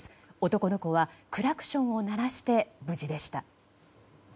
男の子はクラクションを鳴らして無事でした。